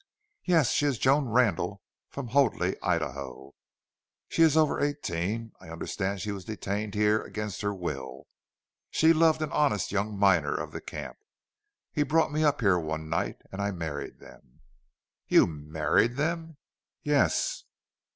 "Yes. She is Joan Randle, from Hoadley, Idaho. She is over eighteen. I understood she was detained here against her will. She loved an honest young miner of the camp. He brought me up here one night. And I married them." "YOU MARRIED THEM!" "Yes."